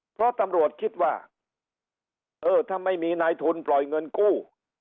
เพราะตำรวจคิดว่าเออถ้าไม่มีนายทุนปล่อยเงินกู้